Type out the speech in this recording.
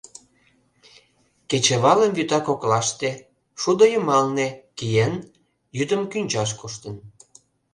Кечывалым вӱта коклаште, шудо йымалне, киен, йӱдым кӱнчаш коштын.